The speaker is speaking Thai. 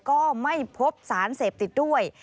ก็ไม่พบสารเสพติดด้วย